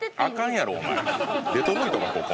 デトロイトかここ。